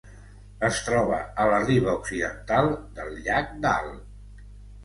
Es troba a la riba occidental del llac Dal.